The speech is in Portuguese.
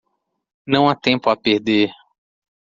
Não há tempo a perder